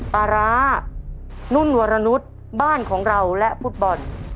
ปลาร้านุ่นวรนุษย์บ้านของเราและฟุตบอล